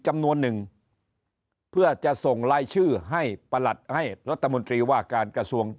จำนวนหนึ่งเพื่อจะส่งรายชื่อให้ประหลัดให้รัฐมนตรีว่าการกระทรวง